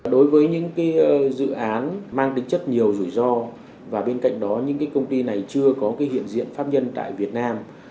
đối với những dự án mang tính chất nhiều rủi ro và bên cạnh đó những công ty này chưa có hiện diện pháp nhân tại việt nam